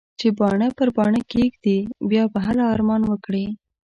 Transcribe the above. چې باڼه پر باڼه کېږدې؛ بيا به هله ارمان وکړې.